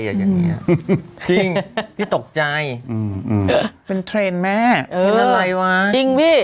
อย่างเงี้ยจริงพี่ตกใจอืมเป็นเทรนด์แม่เอออะไรวะจริงพี่